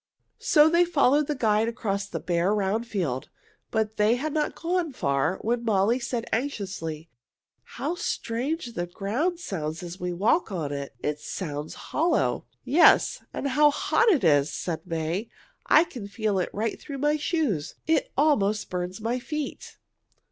So they followed the guide across the bare, round field. But they had not gone far when Molly said anxiously, "How strange the ground sounds as we walk on it! It sounds hollow." "Yes, and how hot it is!" said May. "I can feel it right through my shoes. It almost burns my feet."